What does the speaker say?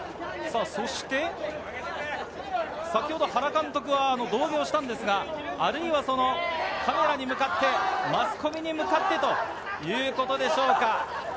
そして先ほど原監督を胴上げしたんですが、カメラに向かって、マスコミに向かってということでしょうか。